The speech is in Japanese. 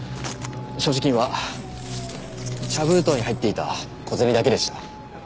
所持金は茶封筒に入っていた小銭だけでした。